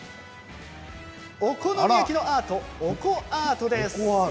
お好み焼きのアートオコアートです。